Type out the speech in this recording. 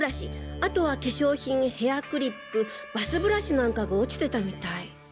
あとは化粧品ヘアクリップバスブラシなんかが落ちてたみたい。